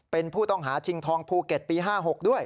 เป็นผู้ต้องหาชิงทองภูเก็ตปี๕๖ด้วย